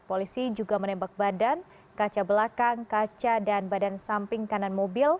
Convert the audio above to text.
polisi juga menembak badan kaca belakang kaca dan badan samping kanan mobil